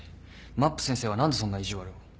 まっぷ先生は何でそんな意地悪を。